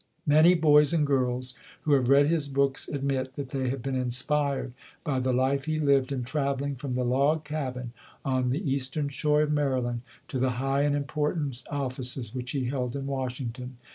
Many boys and girls who have read his books admit that they have been inspired by the life he lived in traveling from the log cabin on the East ern Shore of Maryland to the high and important offices which he held in Washington.